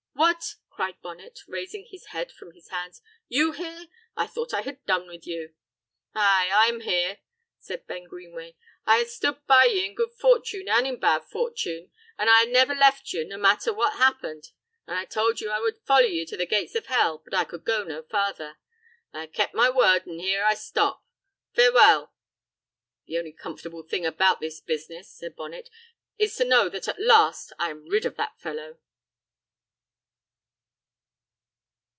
"What!" cried Bonnet, raising his head from his hands. "You here? I thought I had done with you!" "Ay, I am here," said Ben Greenway. "I hae stood by ye in good fortune an' in bad fortune, an' I hae never left ye, no matter what happened; an' I told ye I would follow ye to the gates o' hell, but I could go no farther. I hae kept my word an' here I stop. Fareweel!" "The only comfortable thing about this business," said Bonnet, "is to know that at last I am rid of that fellow!"